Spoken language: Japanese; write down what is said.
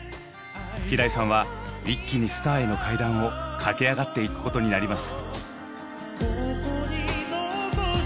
平井さんは一気にスターへの階段を駆け上がっていくことになります。